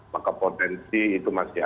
maka potensi itu masih